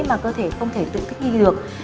mà cơ thể không thể tự thích nghi được